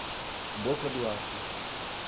Boca do Acre